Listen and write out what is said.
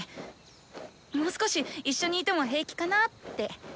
もう少し一緒にいても平気かなって。